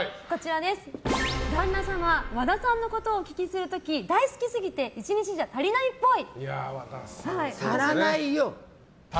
旦那様、和田さんのことをお聞きする時大好き過ぎて１日じゃ足りないっぽい！